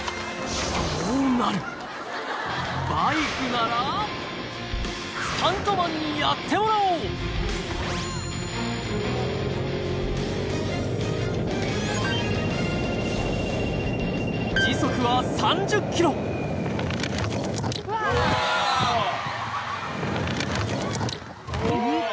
わあスタントマンにやってもらおう時速は３０キロうん？